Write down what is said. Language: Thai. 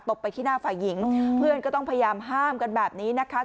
ไปที่หน้าฝ่ายหญิงเพื่อนก็ต้องพยายามห้ามกันแบบนี้นะคะ